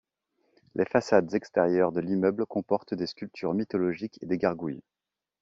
Les façades extérieures de l'immeuble comportent des sculptures mythologiques et des gargouilles.